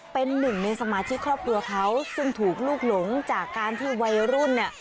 เป็นหนึ่งในสมาชิกครอบครัวเขาซึ่งถูกลูกหลงจากการที่วัยรุ่นเนี่ย